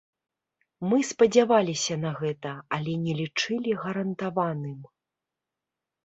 Мы спадзяваліся на гэта, але не лічылі гарантаваным.